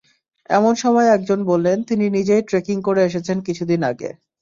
এমন সময় একজন বললেন, তিনি নিজেই ট্রেকিং করে এসেছেন কিছুদিন আগে।